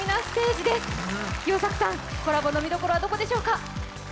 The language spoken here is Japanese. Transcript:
キヨサクさん、コラボの見どころはどこでしょうか。